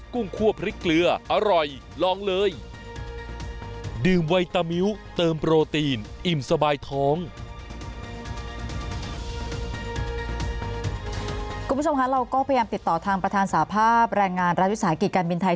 คุณผู้ชมคะเราก็พยายามติดต่อทางประธานสาภาพแรงงานรัฐวิสาหกิจการบินไทย